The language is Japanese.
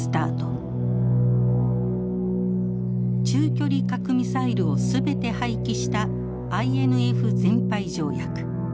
中距離核ミサイルを全て廃棄したＩＮＦ全廃条約。